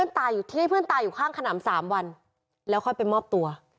ตายอยู่ที่เต้นตายอยู่ข้างขนำสามวันแล้วเข้าไปมอบตัว